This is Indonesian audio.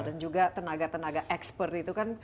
juga tenaga tenaga ekspert itu kan